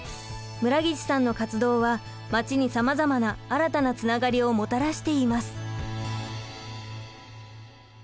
村岸さんの活動はまちにさまざまな新たなつながりをもたらしています。